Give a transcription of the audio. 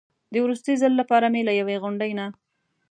د وروستي ځل لپاره مې له یوې غونډۍ نه.